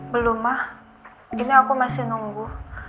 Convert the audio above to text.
belum mah gini aku masih nunggu